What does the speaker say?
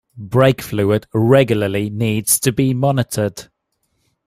Brake fluid regularly needs to be monitored.